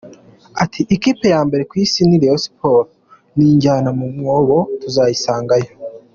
Ati: "Ikipe ya mbere ku isi ni Rayons, ni ijya no mu mwobo tuzayisangayo.